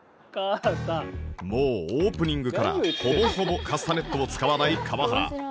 もうオープニングからほぼほぼカスタネットを使わない川原